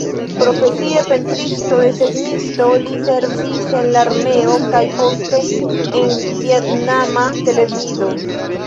Profesie pentristo-desegnisto, li servis en la armeo kaj poste en vjetnama televido.